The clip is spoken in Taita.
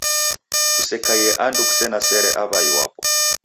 Kusekaie andu kusena sere aw'ai wapo